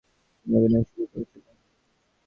তিনি অভিনয় শুরু করেছিলেন।